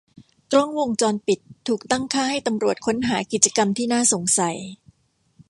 กล้องวงจรปิดถูกตั้งค่าให้ตำรวจค้นหากิจกรรมที่น่าสงสัย